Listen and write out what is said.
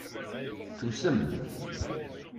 Tusem.